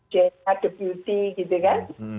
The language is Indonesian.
jika deputi gitu kan